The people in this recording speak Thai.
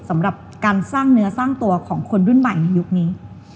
สำหรับการสร้างเนื้อสร้างตัวของคนรุ่นใหม่ในยุคนี้